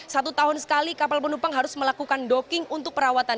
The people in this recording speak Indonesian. satu tahun sekali kapal penumpang harus melakukan docking untuk perawatan